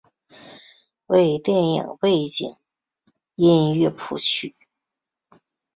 为电影背景音乐谱曲。